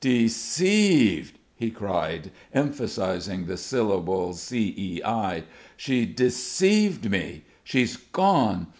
"Deceived!" he cried, emphasising the syllable cei. "She deceived me! She's gone!